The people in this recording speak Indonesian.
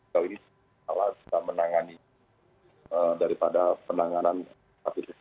kita menangani daripada penanganan hepatitis